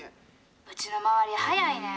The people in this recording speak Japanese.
うちの周り早いねん。